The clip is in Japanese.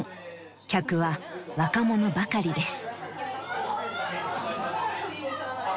客は若者ばかりです］